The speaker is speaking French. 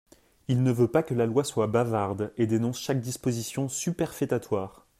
Il ne veut pas que la loi soit bavarde et dénonce chaque disposition superfétatoire.